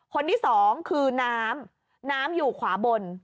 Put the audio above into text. คนที่สองคือน้ำน้ำอยู่ขวาบน